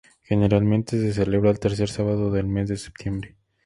Generalmente se celebra el tercer sábado del mes de septiembre.